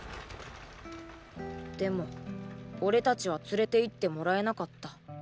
でも俺達は連れて行ってもらえなかった。